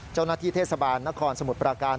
เจ้าหน้าที่เทศบาลนครสมุทรปราการ